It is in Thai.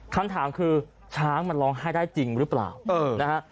คำถามคือช้างมันร้องไห้ได้จริงหรือเปล่านะฮะ